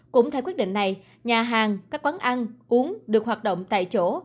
cũng theo quyết định này nhà hàng các quán ăn uống được hoạt động tại chỗ